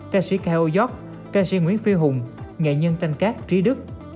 ca sĩ cao yót ca sĩ nguyễn phi hùng nghệ nhân thanh cát trí đức